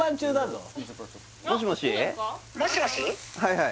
はい